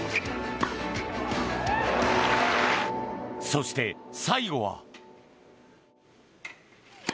そして、最後は。